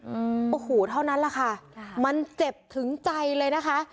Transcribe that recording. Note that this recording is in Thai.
อืมโอ้โหเท่านั้นแหละค่ะมันเจ็บถึงใจเลยนะคะ